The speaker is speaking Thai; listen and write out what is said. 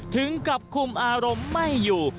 ถึงกับคุมอารมณ์ไม่อยู่